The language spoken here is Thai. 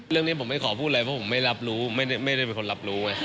เรื่องนี้ผมไม่ขอพูดอะไรเพราะผมไม่รับรู้ไม่ได้เป็นคนรับรู้ไง